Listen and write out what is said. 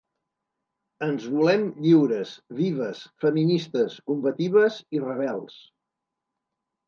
Ens volem lliures, vives, feministes, combatives i rebels!